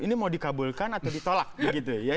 ini mau dikabulkan atau ditolak begitu ya